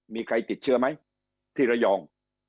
มีใครติดเชื้อไหมที่ระยอง